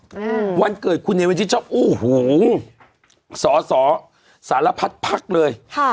อืมวันเกิดคุณเนวินชอบโอ้โหสอสอสารพัดภักดิ์เลยค่ะ